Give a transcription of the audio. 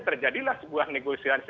terjadilah sebuah negosiasi